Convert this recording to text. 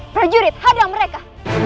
prejurit hadang mereka